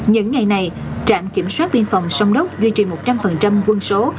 những ngày này trạm kiểm soát biên phòng sông đốc duy trì một trăm linh quân số